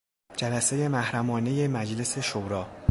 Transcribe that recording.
جلسهی محرمانهی مجلس شورا